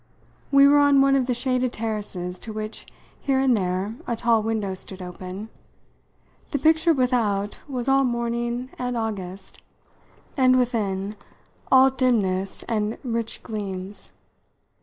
We were on one of the shaded terraces, to which, here and there, a tall window stood open. The picture without was all morning and August, and within all clear dimness and rich gleams.